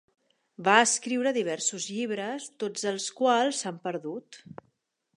Va escriure diversos llibres tots els quals s'han perdut.